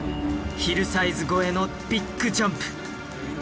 ヒルサイズ越えのビッグジャンプ！